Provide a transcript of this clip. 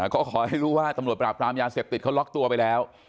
ก็ขอให้รู้ว่าตำรวจปราบปรามยาเสพติดเขาล็อกตัวไปแล้ว